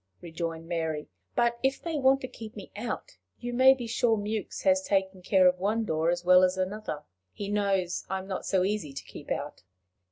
rejoined Mary; "but if they want to keep me out, you may be sure Mewks has taken care of one door as well as another. He knows I'm not so easy to keep out."